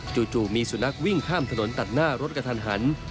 จู่มีสุนัขวิ่งข้ามถนนตัดหน้ารถกระทันหัน